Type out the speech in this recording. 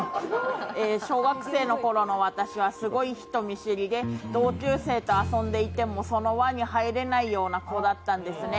小学生のころの私は、すごい人見知りで、同級生と遊んでいてもその輪に入れないような子だったんですね。